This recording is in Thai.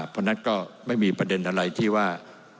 เพราะฉะนั้นก็ไม่มีประเด็นอะไรที่ว่า